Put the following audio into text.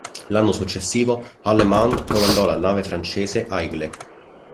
L'anno successivo, Allemand comandò la nave francese "Aigle".